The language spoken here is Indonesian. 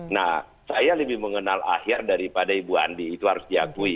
nah saya lebih mengenal akhir daripada ibu andi itu harus diakui